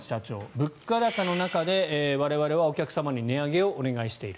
物価高の中で、我々はお客様に値上げをお願いしている。